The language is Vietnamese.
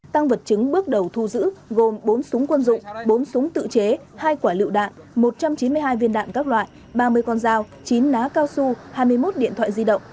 tăng vật chứng bước đầu thu giữ gồm bốn súng quân dụng bốn súng tự chế hai quả lựu đạn một trăm chín mươi hai viên đạn các loại ba mươi con dao chín ná cao su hai mươi một điện thoại di động